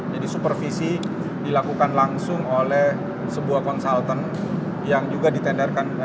jadi supervisi dilakukan langsung oleh sebuah konsultan yang juga ditenderkan